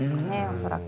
恐らく。